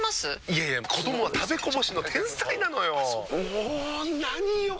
いやいや子どもは食べこぼしの天才なのよ。も何よ